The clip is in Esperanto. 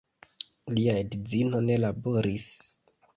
Lia edzino ne laboris.